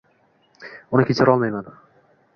Uni kechira olmayman